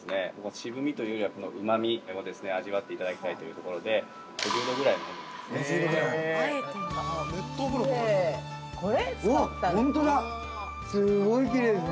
渋みというよりはうまみを味わっていただきたいというところで、５０度ぐらいの温度なんですね。